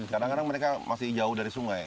kadang kadang mereka masih jauh dari sungai